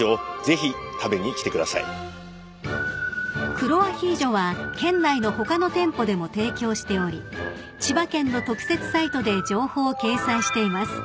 ［黒アヒージョは県内の他の店舗でも提供しており千葉県の特設サイトで情報を掲載しています］